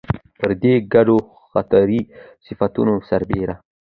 پر دې ګډو فطري صفتونو سربېره